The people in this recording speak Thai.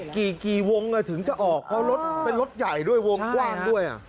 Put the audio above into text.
กี่วงถึงจะออกเพราะรถเป็นรถใหญ่ด้วยวงกว้างด้วย